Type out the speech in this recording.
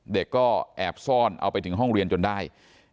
เด็กก็แอบซ่อนเอาไปถึงห้องเรียนจนได้